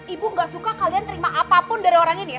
ibu gak suka kalian terima apapun dari orang ini ya